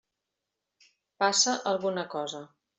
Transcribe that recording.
Passa alguna cosa.